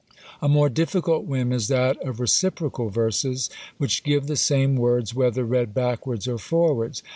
A more difficult whim is that of "Reciprocal Verses," which give the same words whether read backwards or forwards.